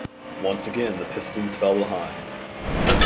Once again, the Pistons fell behind.